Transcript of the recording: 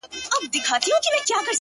اشنـا په دې چــلو دي وپوهـېدم؛